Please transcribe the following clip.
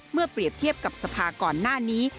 เปรียบเทียบกับสภาก่อนหน้านี้